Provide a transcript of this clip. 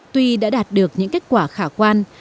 tuy đã đạt được những kết quả khả quan